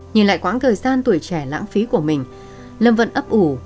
nhìn lại quãng thời gian tuổi trẻ lãng phí của mình lâm vẫn ấp ủ